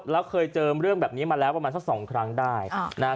แล้วเคยเจอเรื่องแบบนี้มาแล้วประมาณสักสองครั้งได้นะฮะ